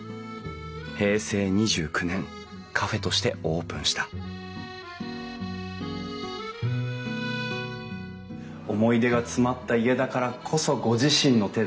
平成２９年カフェとしてオープンした思い出が詰まった家だからこそご自身の手で。